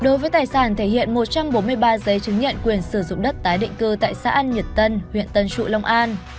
đối với tài sản thể hiện một trăm bốn mươi ba giấy chứng nhận quyền sử dụng đất tái định cư tại xã an nhật tân huyện tân trụ long an